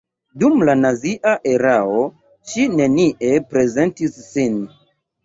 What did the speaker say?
Dum la nazia erao ŝi nenie prezentis sin.